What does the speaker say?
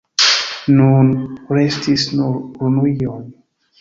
Nun restis nur ruinoj.